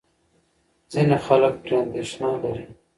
ځینې خلک پرې اندېښنه لري.